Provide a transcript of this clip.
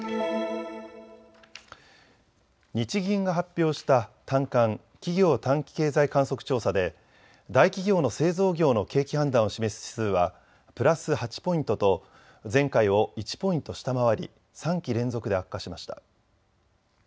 日銀が発表した短観・企業短期経済観測調査で大企業の製造業の景気判断を示す指数はプラス８ポイントと前回を１ポイント下回り３期連続で悪化しました。